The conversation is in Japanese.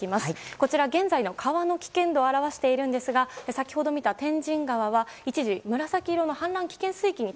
こちら、現在の川の危険度を表しているんですが先ほど見た天神川は一時紫色の氾濫危険水位機に